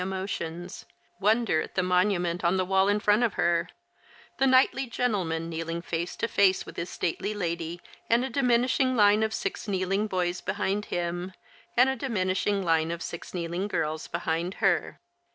emotions — wonder at the monuments on the wall in front of her, the knightly gentleman kneeling face to face with his stately lady, and a diminishing line of six kneeling boys behind him, and a diminishing line of six kneeling girls behind her.